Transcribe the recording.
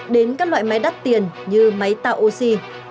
đến các loại máy đắt tiền như máy tạo oxy